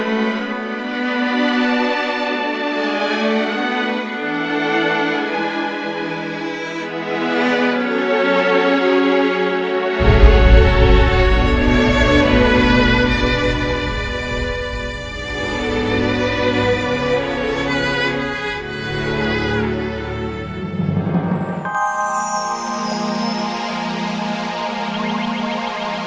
assalamualaikum warahmatullah wabarakatuh